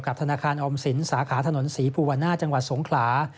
ธนาคารออมสินสาขาถนนศรีภูวาน่าจังหวัดสงขลา